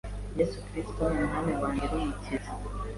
Yesu Kristo ni Umwami wanjye n’Umukiza wanjye.